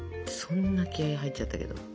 そんな気合い入っちゃったけど。